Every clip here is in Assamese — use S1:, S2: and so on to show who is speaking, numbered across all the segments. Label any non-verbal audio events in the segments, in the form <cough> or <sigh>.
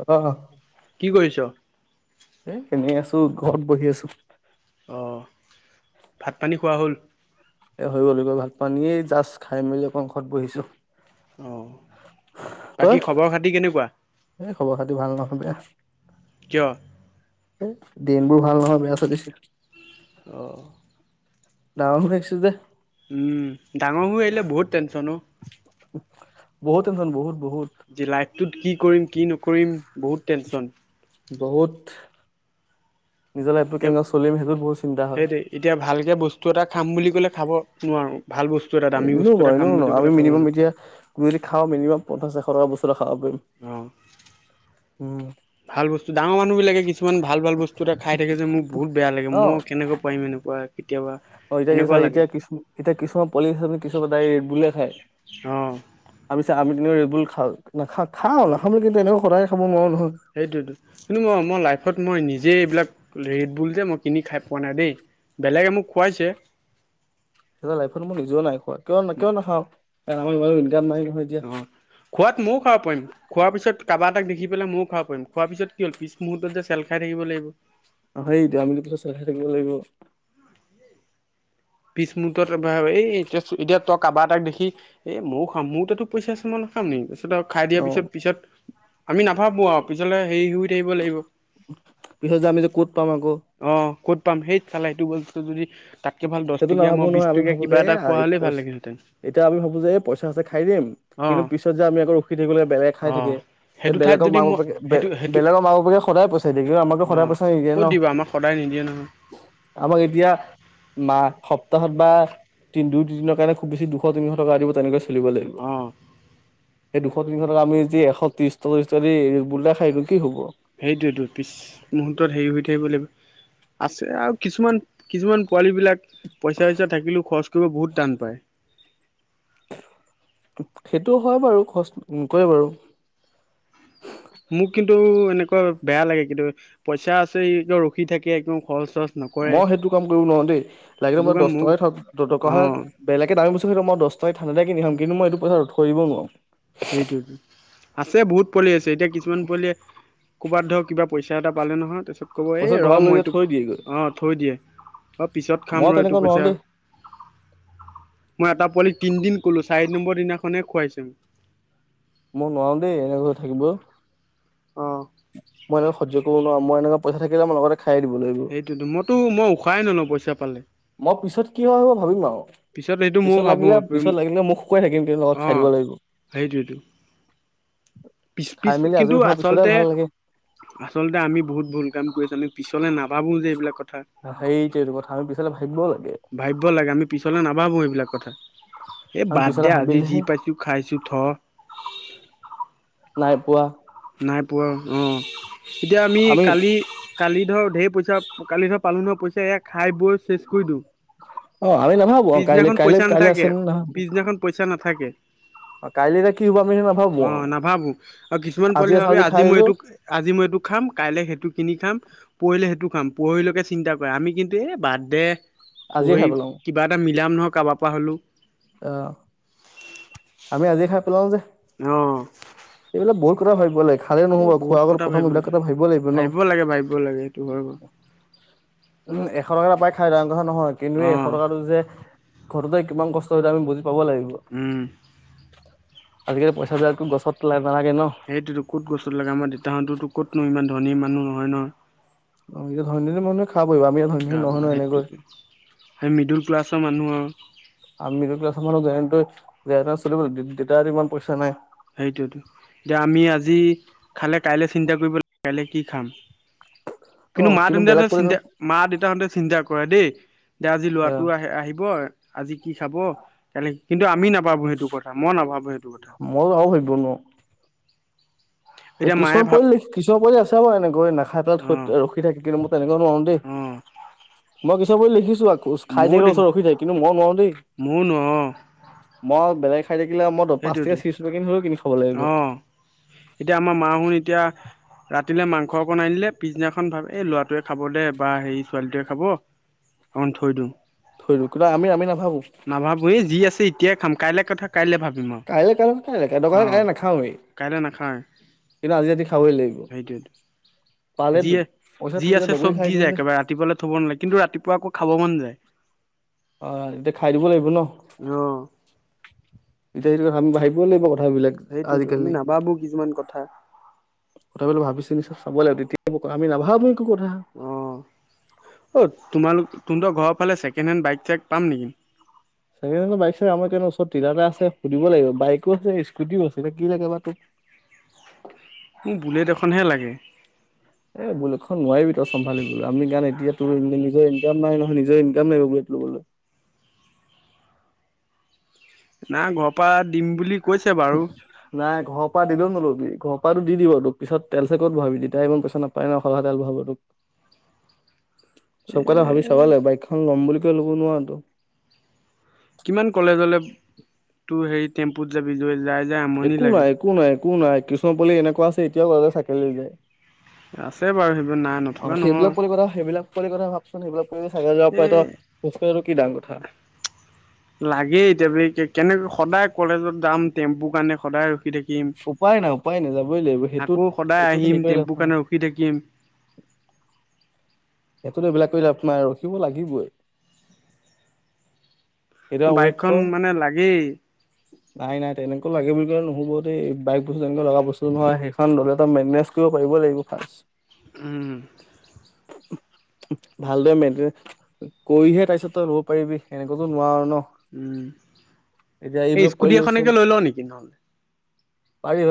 S1: অ',
S2: কি কৰিছ
S1: এ এনেই আছো ঘৰত বহি আছো
S2: অ ভাত পানী খোৱা হ'ল
S1: এ হৈ গ'ল হৈ গ'ল ভাত পানীয়ে এ জাষ্ট খাই মেলি ঘৰত বহিছো
S2: অ বাকী খবৰ খাতি কেনেকুৱা
S1: এ খবৰ খাতি ভাল নহয় বেয়া
S2: কিয়?
S1: দিনবোৰ ভাল নহয় বেয়া চলিছে
S2: অ
S1: ডাঙৰ হৈ আহিছোঁ যে
S2: উম ডাঙৰ হৈ আহিলে, বহুত টেনছন ন
S1: বহুত টেনচন বহুত বহুত
S2: ত কি কৰিম কি নকৰিম বহুত টেনচন।
S1: বহুত নিজৰ লাইফটো
S2: এতিয়া
S1: কেনেকোৱা চলিম সেইটো বহুত চিন্তা হয়,
S2: সেইটোৱে এতিয়া ভালকে বস্তু এটা খাম বুলি ক'লে খাব নোৱাৰো। ভাল বস্তু এটা দামী
S1: এনেও
S2: বস্তু এটা খাম
S1: এনেও ন
S2: বুলি
S1: আমি
S2: ক'লে খাব
S1: মিনিমাম
S2: নোৱাৰো।
S1: এতিয়া যদি খাওঁ মিনিমাম পঞ্চাশ এশ টকা বস্তু এটা খাব পাৰিম
S2: অ,
S1: উম
S2: ভাল বস্তু ডাঙৰ মানুহ বিলাকে কিছুমান ভাল ভাল বস্তু টো এটা খাই থাকে যে মোক বহুত বেয়া লাগে, মই
S1: অ',
S2: কেনেকৈ পাৰিম এনেকোৱা
S1: অ এতিয়া কি চ এতিয়া কি এতিয়া কিছুমান পলি কিছুমানে বুলে খাই, আমি চ আমি কিনে ৰেবুল খাওঁ খা, খা, নাখা,
S2: অঁ
S1: নাখাও বুলি এনেকোৱা কথাই না খব ল
S2: সেইটোৱেতো কিন্তু মই মই লাইফত মই নিজে এইবিলাক ৰেট বোল যে মই কিনি খাই পোৱা নাই দেই, বেলেগে মোক খোৱাইছে।
S1: সেইয়া লাইফত মই নিজেও নাই খোৱা কিয় কিয় নাখাওঁ <inaudible> এতিয়া
S2: অ খোৱাত ময়ো খাব পাৰিম, খোৱাৰ পিছত কাৰবাৰ তাক দেখি পেলাই ময়ো খাব পাৰিম, খোৱাৰ পিছত কি হল, পিছ মুহৰ্তত যে চেল খাই থাকি লাগিব। <inaudible>
S1: অ সেইটো আমিতো কথা চেল খাই থাকিব লাগিব
S2: পিছ মূহুৰ্তত ৰবা, এই এতিয়া এতিয়া তই কাৰোবাৰ এ তাক দেখি এ ময়ো খাম মোৰ তাতো পইচা চাম খাম নেক খাই দিয়াৰ
S1: অ
S2: পিছত, পিছত আমি নাভাবো আৰু পিছলে হেৰি থাকিব লাগিব
S1: পিছত যে আমি যে ক'ত পাম আকৌ
S2: অ ক'ত পাম, সেই চালাইটো বস্তু যদি তাতকে ভাল দহ
S1: সেইটো
S2: টকীয়া
S1: নাভাবো
S2: মই বিশ
S1: নহয় আমি
S2: টকীয়া
S1: ভাবো
S2: কিবা
S1: যে
S2: এটা খোৱা হ'লেই
S1: পই,
S2: ভাল লাগিলহেঁতেন
S1: এতিয়া আমি ভাবো যে পইচা আছে খাই দিম
S2: অ'।
S1: কিন্তু পিছত যে আমি আকৌ ৰখি থাকিব লাগে, বেলেগ খাই
S2: অঁ
S1: থাকে, এই
S2: সেইটো ঠাইত
S1: বেলেগক
S2: যদি
S1: মাক
S2: মই
S1: বাপেকে
S2: সেইটো সেইটো
S1: বেলেগৰ মাক বাপেকে সদায় পইচা দি দিয়ে কিন্তু আমাক সদায়
S2: অঁ
S1: পইচা নিদিয়ে
S2: ক'ত
S1: ন।
S2: দিবা আমাক সদায় নিদিয়ে নহয়
S1: আমাক এতিয়া মাহ সপ্তাহত বা দুই দিনৰ কাৰণে খুব বেছি দুশ তিনিশ টকা দিব তেনেকে খুলিব লাগিব।
S2: অঁ
S1: সেই দুশ তিনিশক আমি যি এশ ত্ৰিশ চল্লিশ তাৰি গুলা খাই দিও কি হব?
S2: সেইটোয়েতো পিছ মুহূৰ্তত হেৰি হৈ থাকিব লাগিব আছে আৰু কিছুমান কিছুমান পোৱালী বিলাক পইচা চইচা থাকিলেও খৰচ কিয় বহুত টান পায়।
S1: সেইটো হয় খৰচ নকৰে বাৰু।
S2: মোক কিন্তু এনেকুৱা বেয়া লাগে কিন্তু পইচা আছে গৈ ৰখি থাকে একো খৰচ চৰচ নকৰে
S1: মই সেইটো কাম কৰিব নোৱাৰো দেই লাগিলে
S2: সেইটো
S1: মই
S2: কাৰণে
S1: দহ
S2: মোক
S1: টকা থাকক দৰকাৰ
S2: অঁ
S1: হলে বেলেগে দামি ব টো মই দছ টকা ঠাণ্ডা কিনি খাম কিন্ত মই এইটো পইচা থৈ দিব নোৱাৰো।
S2: সেইটোতো আছে বহুত পোৱালি আছে এতিয়া কিছুমান পোৱালিয়ে ক'বাত ধৰ কিবা পইচা এটা পালে নহয় তাৰ পিছত কব এই
S1: পইচাটো
S2: ৰ
S1: ঘৰত লৈ
S2: মই
S1: গৈ
S2: এইটোক
S1: থৈ দিয়েগৈ
S2: অ থৈ দিয়ে অ পিছত খাম
S1: মই
S2: ৰ এইটো
S1: তেনেকুৱা নোৱাৰো
S2: পইচা
S1: দেই
S2: মই এটা পোৱালি তিনদিন কলো চাৰি নম্বৰ দিনাখনে খুৱাইছে।
S1: মই নোৱাৰোও দেই এনেকৈ থাকিব।
S2: মোক।
S1: মই এনেকৈ সহ্য কৰিব নোৱাৰো মই এনেকোৱা পইচা থাকেই লগতে খাই দিব লাগিব
S2: সেইটোতো মইতো মই উশাহাই নলওঁ পইচা পালে।
S1: মই পিছত কি হয় সেইবোৰ ভাবিম আৰু
S2: সেইটো ময়ো
S1: পিছত
S2: ভাবো
S1: লাগিলে পিছত লাগিলে মোক শুকুৱাই থাকিম কিন্তু লগত খাই
S2: অ',
S1: দিব লাগিব।
S2: সেইটোৱেতো পিছ
S1: খাই
S2: পিছ
S1: মেলি
S2: কিন্তু
S1: আজৰি হোৱাৰ পিছতহে
S2: আচলতে
S1: ভাল লাগে
S2: আচলতে আমি বহুত ভুল কাম কৰিপিনে পিছ নাভাবো যে এইবিলাক কথা
S1: সেইটোৱেটো কথা আমি পিছলে ভাবিব লাগে
S2: ভাবিব লাগে আমি পিছলে নাভাবো সেইবিলাক কথা এই
S1: আমি
S2: বাদ দে
S1: পিছলে
S2: আজি যি
S1: ভাবিলেহে
S2: পাইছো খাইছো থ।
S1: নাই পোৱা।
S2: নাই পোৱা অ এতিয়া আমি কালি কালি ধৰ ঢেৰ পইচা কালি পালো ন পইচা এয়া খাই বৈ চেচ কৰি দিওঁ।
S1: অ আমি নাভাবো কাই
S2: পিছদিনাখন
S1: কাইলৈ
S2: পইচা
S1: কাইলৈ
S2: নাথাকে
S1: আছে নে নাভাবো।
S2: পিছদিনাখন পইচা নাথাকে
S1: কাইলৈ এতিয়া কি হ'ব আমি সেইটো নাভাবো আৰু।
S2: ইমান পোৱালি ভাবে আজি মই এইটো আজি মই এইটো খাম কাইলৈ মই সেইটো কিনিম খাম পহৰিলে সেইটো খাম পহৰিলৈকে চিন্তা কৰে আমি কিন্তু এই বাদ দে।
S1: আজিয়ে
S2: পৰহি
S1: খাই পেলাও
S2: কিবা এটা মিলাম নহয় কাবা পা পাহৰিলো
S1: অ আমি আজি খাই পেলাও যে।
S2: অ
S1: এইবিলাক বহুত কথা ভাবিব লাগে খালে
S2: এ
S1: নহ'ব খোৱাৰ
S2: বহুত
S1: আগত
S2: কথা
S1: প্ৰথম এইবিলাক কথা লাগিব ন
S2: ভাবিব লাগে ভাবিব ভাবিব লাগে সেইটো হয় বাৰু।
S1: উম এশ টকা এটা পাই খাই দাম নহয় নহয় কিন্তুে
S2: অ
S1: এশ টকাটো যে ঘৰটোযে কিমান কষ্ট হয় আমি বুজি কব লাগিব
S2: উম
S1: আজিকালি পইচা বিলাকটো গছত লাগে
S2: সেইটোত কত গছত লাগে আমাৰ দেউতাহঁততো কতনো ইমান ধনী মানুহ নহয় ন
S1: অ ই ধনীৰ মানুহ
S2: অ সেইটোতো সেই মিডল ক্লাছৰ মানুহ আও। হুম। <unintelligible>
S1: আমি মিডিল ক্লাছৰ মানুহ জ্ঞানেনটো ৱাগনৰ চলিবলৈ দেউতাৰ ইমান পইচা নাই। <unintelligible>
S2: সেইটোৱেতো এতিয়া আমি আজি খালে কাইলৈ চিন্তা কৰিব লাগিব কাইলৈ কি খাম।
S1: অ
S2: কিন্তু মা
S1: বেলেগ
S2: তেন্তাহঁতৰ
S1: কৰি
S2: চিন্তা মা দেউতাহঁতে চিন্তা কৰে দেই, যে আজি লৰাটো আহে আহিব আজি কি খাব, কালি কিন্তু আমি নাভাবো সেইটো কথা মই নাভাবো সেইটো কথা।
S1: মইও এ
S2: এতিয়া মায়ে
S1: কিছুমান
S2: ভাব
S1: পৰিয়ালে কিছুমান পৰিয়াল আছে আৰু এনেকৈ নাখাইকে
S2: অ
S1: থৈ দিয়ে ৰখি থাকে কিন্তু মোৰ তেনেকুৱা নোৱাৰো দেই
S2: অ
S1: মই কিছু তাৰপৰাই লিখিছো। <unintelligible> ঘোষ খাই
S2: ময়ো
S1: থাকিলে
S2: দেখি
S1: ওচৰত ৰখি থাকে, কিন্তু মই নোৱাৰো দেই।
S2: ময়ো নোৱাৰো অ
S1: মই বেলেগ। খাই থাকিলে মই ত পাঁচ টকাৰ
S2: সেইটোৱেতো
S1: চিপচপেকিং হলেও কিনি খাব লাগিব।
S2: অ এতিয়া আমাৰ মাও এতিয়া ৰাতিলে মাংস অকণ আনিলে। পিছ দিনাখন ভাবে এই ল'ৰাটোৱে খাব দে বা সেই ছোৱালীটোৱে খাব অকন থৈ দিওঁ।
S1: থৈদো কিবা আমি আমি নাভাবো।
S2: এতিয়া খাম কাইলৈ কথা কাইলৈ ভাব। উমাহ
S1: কাইলে কাইলে কাইলে দৰকাৰ
S2: অ
S1: হ'লে কাইলে নাখাওঁৱেই।
S2: কাইলৈ নাখায়,
S1: কিন্তু আজি ৰাতি খাবই লাগিব
S2: সেইটোৱে ত,
S1: পালে
S2: যি
S1: পইচা
S2: যি
S1: থাকিলে
S2: আছে
S1: দগৰি
S2: চব
S1: খাই
S2: দি
S1: দিওঁ
S2: যায়
S1: যে।
S2: একেবাৰে ৰাতিপুৱালৈ থব নালাগে। কিন্তু ৰাতিপুৱা আকৌ খাব মন যায়। এহ্ হে। <unintelligible>
S1: অ এতিয়া খাই দিব লাগিব ন।
S2: অ
S1: এতিয়া এইটো কথা আমি ভাবিব লাগিব কথাবিলাক
S2: সেইটোৱেতো আমি
S1: আজিকালি।
S2: নাভাবো কিছুমান কথা।
S1: কথাবিলাক ভাবি চিনি চাব লাগিব তেতিয়া আমি নাভাবো একো কথা।
S2: অ অ তোমালোক তুমগো ঘৰৰ ফালে চেকেণ্ড-হেণ্ড বাইক চাইক পাম নেকি?
S1: চেকেণ্ড-হেণ্ড বাইক চাগে আমাৰ ঘৰৰ ওচৰত ডিলৰ এটা আছে, সুধিব লাগিব বাইকো আছে স্কুটিও আছে এবাৰ কি লাগে বা তোক।
S2: মোক বুলেট এখনহে লাগে।
S1: এ বুলেটখন নোৱাৰিবি তই চম্ভালিবলৈ আমি কাৰণ এতিয়া তোৰ এনেও নিজৰ ইনকাম নাই নহয় নিজৰ ইনকাম নাই বুলেট লবলৈ।
S2: না ঘৰৰ পৰা দিম বুলি কৈছে বাৰু
S1: নাই ঘৰৰ পৰা দিলেও নল'বি। ঘৰৰ পৰাটো দি দিব তোক। পিছত তেল চেল ক'ত ভৰাবি। তেতিয়া ইমান পইচা নাপায় ন সদায় তেল ভৰাব তোক
S2: এ
S1: চব কথা ভাবি চাব লাগে বাইকখন ল'ম বুলি ক ত‌ই ল'ব নোৱাৰ ত
S2: কিমান কলেজলে তোৰ হেৰি টেম্পুত যাবি লৈ যায়
S1: একো নাই একো নাই। একো নাই, কিছুমান পোৱালি এনেকুৱা আছে এতিয়াও আ চাইকেল লৈ যায়।
S2: আছে বাৰু সেইবোৰ নাই নথকা নহয়
S1: পৰি কথা ভাব <unintelligible> চোন সেইবিলাক কৰি চাইকেলত যাব
S2: এ
S1: পাৰে ত খোজকাই ত কি দাঙ কথা
S2: লাগেই এতিয়া বে কে কেনেকে সদায় কলেজত যাম টেম্পু কানে <unintelligible> সদায় থাকিম
S1: উপায় নাই উপায় নাই যাবই লাগিব সেইটোত
S2: আকৌ সদায়
S1: সেইটোত
S2: আহিম
S1: হেৰি কৰি লাভ
S2: টেম্পু
S1: নাই
S2: কাৰণে ৰখি থাকিম
S1: সেইটো লৈ এইবিলাক কৰি লাভ নাই আৰু ৰখিব লাগিবই <unintelligible> ৱেইট
S2: বাইকখন
S1: কৰ
S2: মানে লাগেই
S1: নাই নাই তেনেকুৱা লাগে বুলি কলে নহ'ব দেই বাইক ব লগা বস্তু নহয় সেইখন দলেত একদম মেনেজ কৰিব কৰিব লাগিব ফাচ
S2: উম
S1: ভালদৰে মেনতেন কৰিহে তাৰপিছত লব পাৰিবি এনেকৈতো নোৱাৰ ন
S2: উম
S1: এতিয়া
S2: এই স্কুটি এখনকে লৈ লও নেকি নহলে
S1: পাৰি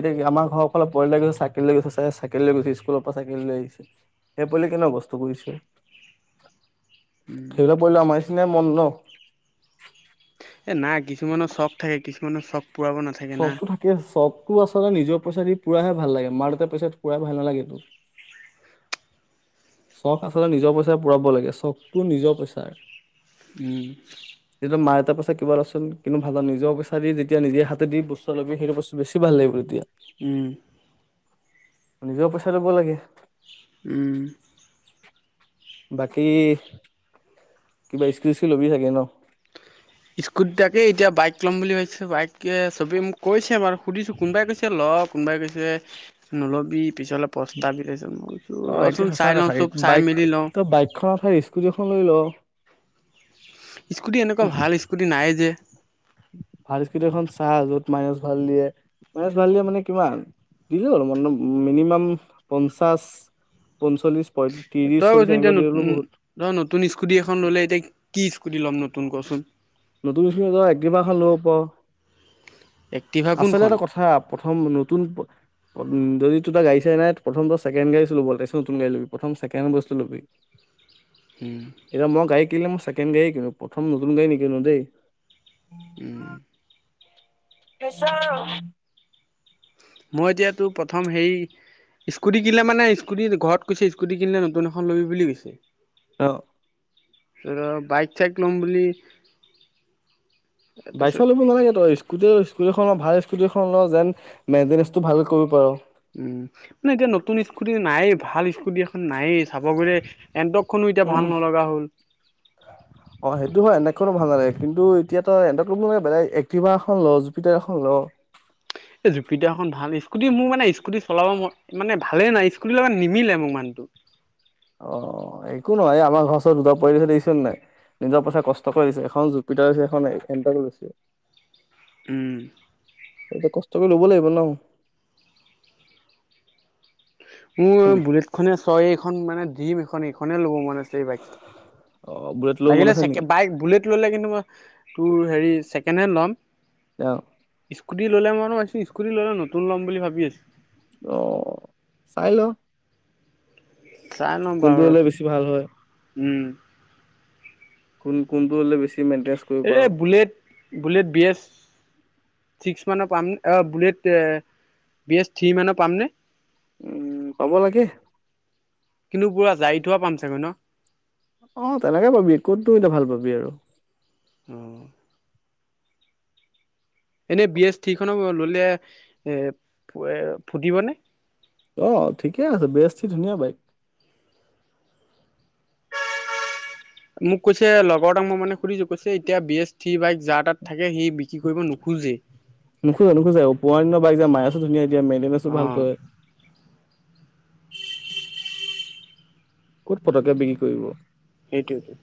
S1: এতিয়া আমাৰ ঘৰ ফালে পোৱালি এটা গৈছে চাইকেল লৈ গৈছে চা চাইকেল লৈ গৈছছে স্কুলৰ পৰা চাইকেল লৈ আহিছে সেই পোৱালি কেনেক বস্তু <unintelligible> কৰিছে
S2: উম
S1: ধৰিলা পোৱালীটো আমাৰ <unintelligible> নিচিনা মন ন
S2: এ নাই কিছুমানৰ চখ থাকে কিছুমানৰ চক
S1: চবতো থাকে চব তো আচলতে নিজৰ পইচা দি পুৰাহে ভাল লাগে মাৰ দেউতা পইচা দি পুৰাই ভাল নালাগেটো চখ আচলতে নিজৰ পইচাৰ পূৰাব লাগে চখটো নিজৰ পইচাৰ
S2: উম
S1: এতিয়া মা দেতা পইচা <unintelligible> কিবা এটা চুন কিন্তু ভাল নিজক বিচাৰি যেতিয়া নিজে হাতে দি বস্তু লবি সেইটো বস্তু বেছি ভাল লাগিব তেতিয়া <unintelligible>
S2: উম
S1: নিজেও পইচা লব লাগে
S2: উম
S1: বাকী কিবা ইস্কি চি ল'বি চাগে ন <unintelligible>
S2: স্কুটি তাকে এতিয়া বাইক ল'ম বুলি ভাবিছো বাইক এ চবে কৈছে বাৰু <unintelligible> সুধিছোঁ কোনোবাই কৈছে লগ কোনোবাই কৈছে নলবি পিছলে পস্তাবি তাৰপিছত মই কৈছোঁ
S1: অ এইটো
S2: ৰচোন
S1: সঁচা
S2: চাই লওঁ
S1: কথা
S2: চব চাই
S1: বাইক
S2: মেলি লওঁ
S1: তই বাইকখন ঠাইত স্কুটি এখন লৈ ল <unintelligible>
S2: স্কুটি এনেকুৱা ভাল স্কুটি নাই যে।
S1: ভাল স্কুটিখন চাহ য'ত মাইনাচ ভাল দিয়ে, মাইনাচ ভাল দিয়ে মানে কিমান দিব আৰু মিনিমাম পঞ্চাছ-পঞ্চল্লিছ।
S2: তই <unintelligible> তই নতুন স্কুটি এখন ললে এতিয়া কি কি ল'ম নতুন কচোন।
S1: নতুন স্কুটি এক্টিভাখন লব পাৰ।
S2: এক্টিভা
S1: আচলতে
S2: কোনখন?
S1: এটা কথা প্ৰথম নতুন যদি তোৰ যে গাডী-চাৰি নাই প্ৰথম বা ছেকেণ্ড হেণ্ড গাড়ী লবি তাৰপাছত নতুন গাড়ী লবি। প্ৰথম ছেকেণ্ডহেণ্ড বস্তু লবি।
S2: উম,
S1: এতিয়া মই গাড়ী কিনিম ছেক ছেকেণ্ড গাড়ী কিনো প্ৰথম নতুন গাড়ী নিকি নিকিনো দেই।
S2: উম।
S1: প্ৰেচাৰ <unintelligible>
S2: মই এতিয়াটো প্ৰথম সে স্কুটি কিনিলে মানে স্কুটি ঘৰত কৈছে স্কুটি কিনিলে নতুন এখন লবি বুলি কৈছে।
S1: অ
S2: বাইক-চাইক ল'ম বুলি তাৰপিছত
S1: বাইক-ছাইক ল'ব নালাগে। তই স্কুটি স্কুটীখন ল, ভাল স্কুটি এখন ল। যেন মেইনটেনেঞ্চটো ভাল কৰিব পাৰ
S2: উম। মানে এতিয়া নতুন স্কুটি নাইয়ে ভাল স্কুটি এ নাইয়ে চাব গলে এণ্টকখনো এতিয়া ভাল নলগা হ'ল।
S1: অ সেইটো হয়। এন্টকখনো ভাল নালাগে, কিন্তু এতিয়া তইএন্টক লব নালাগে। বেলেগ এক্টিভা এখন ল, জুপিটাৰ এখন ল।
S2: এই জুপিদা খন ভাল ইছ স্কুটি মোৰ মানে স্কু স্কুটি চলাব মই মানে ভালে নাই স্কুটি লগত নিমিলে মোক মানুহটো।
S1: অ একো নহয়। এ আমাৰ ঘৰ ওচৰত দুটা পৰিয়াল দেখিছ নাই? নিজৰ পইচা কষ্ট কৰি লৈছে। এখন জুপিতাৰ লৈছে, এখন এণ্টক লৈছে।
S2: উম।
S1: কিন্তু ল'ব লাগিব ন।
S2: মোৰ বুলেট খনে ছয় এখন মানে দিম এখন এইখনে ল'ব মন আছে। এই বাইক
S1: অ বুৰে
S2: লাগিলে চেক বাইক বুলেট ললে কিন্তু মই তোৰ হেৰি ছেকেণ্ড হেণ্ড ল'ম।
S1: অ।
S2: স্কুটি ললে মানে মই বোলো স্কুটি ললে নতুন ল'ম বুলি ভাবি আছোঁ।
S1: অ চাই ল।
S2: চাই ল'ম
S1: কোনটো
S2: বাৰু
S1: হলে
S2: ৰচোন
S1: বেছি ভাল হয়।
S2: উম।
S1: কোন কোনটো হলে বেচি। থিমেইনটেচ কৰি ক।
S2: এই bullet bullet B A six মানৰ পাম অ বুলেট বি এ ছিক্স থি মানৰ পামনে।
S1: উম পাব লাগে।
S2: কিন্তু পুৰা যায় থোৱা পাম চাগৈ ন।
S1: অ তেনেকে পাবি ক'ততো এতিয়া ভাল পাবি আৰু
S2: উম। এনেই বি এছ থি খনক ললে এ এ ফুটিবনে।
S1: আহ ঠিকে আছে বি এচ থি ধুনীয়া বাইক।
S2: মোক কৈছে লগৰ তাক মই মানে সুধিছো কৈছে এতিয়া বি এ থি বাইক যা তাত থাকে। সি বিক্ৰী কৰিব নোখোজে
S1: নোখোজা নোখোজো উপহৰণ্য বাই যায় মায়ছো ধুনীয়া দিয়া মেলমাছো
S2: অ
S1: ভালকৈ। ক'ত পতকে বিক্ৰী কৰিব।
S2: সেইটোৱে টো।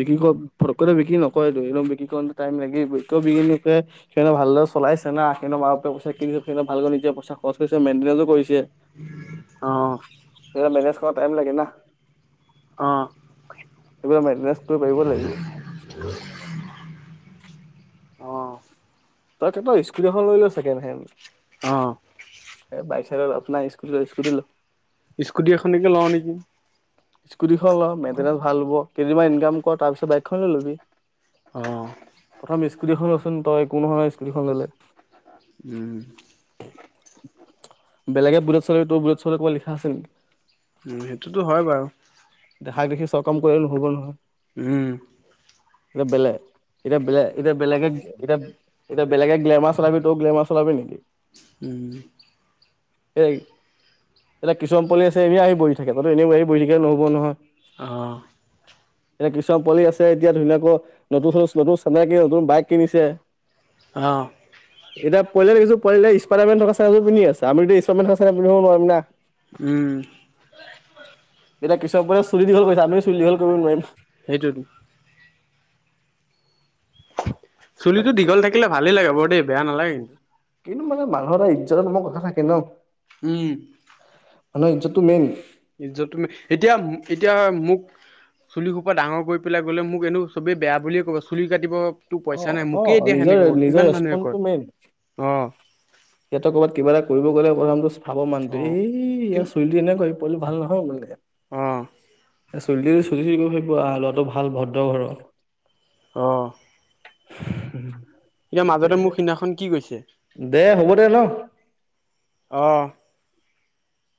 S1: বিক্ৰী কৰ ফটকৈ বিক্ৰী নকয় বিক্ৰী কৰতে টাইম লাগি বিকে সেইদিনে ভালদৰে চলাইছে ন সেইদিনৰ মাৰ পইচা কিনিছে সেই ভালকৈ নিজে পইচা খৰচ কৰিছে মেইনটেনেঞ্চো কৰিছে।
S2: অ
S1: পোৰা টাইম লাগে না।
S2: অ
S1: এইবিলাক মাইনেছটো পাৰিব লাগিব।
S2: অ।
S1: তাকে ত স্কুটি এখন লৈল ছেকেণ্ড হেণ্ড।
S2: অ
S1: এ বাইশ। আপনাৰ স্কুটি স্কুটি ল।
S2: স্কুটি এখনকে লওঁ নেকি
S1: স্কুটিখন ল মেইনটেনেন্সত ভাল হ'ব কেইদিনমান ইনকাম কৰ তাৰপিছত বাইকখন লৈ ল'বি।
S2: অ।
S1: প্ৰথম স্কুটিখন ৰচোন তই কোন হয় স্কুটীখন লৈ ল।
S2: উম
S1: বেলেগে বুলেট চলাব টো বুলেট চলাব কবাত লিখা আছে নি।
S2: ওম সেইটোতো হয় বাৰু।
S1: দেখাই দেখি চব কাম কৰিলে নহ'ব নহয়।
S2: উম
S1: এতিয়া বেলেগ এতিয়া বেলে এতিয়া বেলেগে এতিয়া এতিয়া বেলেগে গ্লেমাৰ চলাবি ত গ্লেমাৰ চলাবি নেকি
S2: উম
S1: এতিয়া কিছুমান পোৱালি আছে এ আহি বহি থাকে জান। এনে <unintelligible> <unintelligible>
S2: আহ।
S1: এতিয়া কিছুমান পোৱালি আছে এতিয়া ধুনীয়াকৈ নতুন নতুন চিনাকি নতুন বাইক কিনিছে।
S2: অ।
S1: এতিয়া পোৱালি দেখিছো স্পাইডাৰমেন চা ইজ পিন্ধি আছে আ মি ইস্কপ্ৰাইডামেন পিন্ধাব নোৱাৰিম ন।
S2: উম।
S1: এতিয়া কিছৰ পুৰা চুলি দীঘল কৰিছে আমি চুলি দীঘল কৰিব নোৱাৰিম।
S2: সেইটোত চুলিটো দীঘল থাকিলে ভালেই লাগে বৰ দেই বেয়া নালাগে।
S1: কিন্তু মানে মানুহৰ এটা ইজ্জতৰ নামৰ কথা থাকে ন।
S2: উম।
S1: মানুহৰ ইয'তটো মেইন।
S2: ইজ্জত তুমি এতিয়া এতিয়া মোক চুলি সোপা ডাঙৰ কৰি পেলাই গ'লে মোক এনেো চবেই বেয়া বুলিয়ে ক'ব চুলি কাটিব। তো
S1: অ
S2: পইচা নাই
S1: অ
S2: মোকেই এতিয়া
S1: নিজৰ
S2: সেনেকে কয়
S1: নিজৰ
S2: কিমান মানুহে কয়
S1: ৰেচপন্টো মেইন
S2: অ
S1: ইয়াতে কৰ'ৰবাত কিবা এটা কৰিব গ'লে প্ৰথমটো চাব
S2: অ
S1: মানত এই ইয়াত
S2: কিন্তু
S1: চই দি এনেকৈ পলো ভাল নহয়।
S2: অ
S1: অ উ। চলি। সুধি ভাবিব আহ ল'ৰাটো ভাল ভদ্ৰ ঘৰৰ।
S2: অ।
S1: উম।
S2: এতিয়া মাজতে মোৰ সিদিনাখন কি গৈছে।
S1: দে হ'ব দে ন।
S2: অ